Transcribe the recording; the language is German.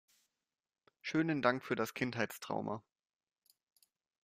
Schönen Dank für das Kindheitstrauma!